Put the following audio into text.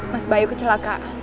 mas bayu kecelaka